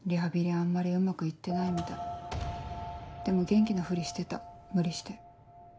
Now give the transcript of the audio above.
あんまりうまく行ってないみたいでも元気なふりしてた無理して。